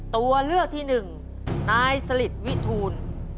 ตัวเลือกที่หนึ่งนายสลิดวิทูล